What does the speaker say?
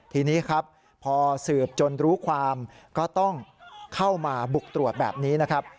ทีนี้ครับพอสืบจนรู้ความก็ต้องเข้ามาบุกตรวจแบบนี้นะครับ